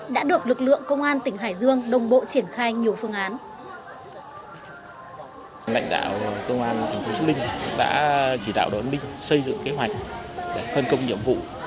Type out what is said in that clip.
đã được lực lượng công an tỉnh hải dương đồng bộ triển khai nhiều phương án